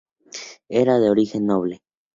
Era de origen noble.